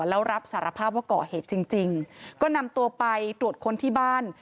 แล้วรับสารภาพว่าก่อเหตุจริงก็นำตัวไปตรวจค้นที่บ้าน